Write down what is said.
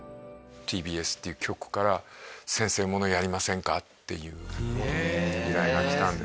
ＴＢＳっていう局から「先生ものやりませんか？」っていう依頼が来たんですね